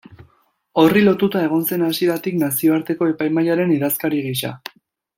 Horri lotuta egon zen hasieratik Nazioarteko Epaimahaiaren idazkari gisa.